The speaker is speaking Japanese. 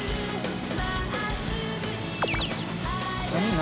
何？